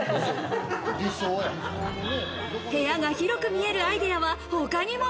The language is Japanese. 部屋が広く見えるアイデアは他にも。